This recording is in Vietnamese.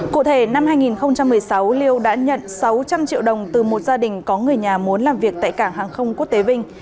cụ thể năm hai nghìn một mươi sáu liêu đã nhận sáu trăm linh triệu đồng từ một gia đình có người nhà muốn làm việc tại cảng hàng không quốc tế vinh